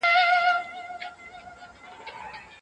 د ظلم مخنيوی يې د واک اصل و.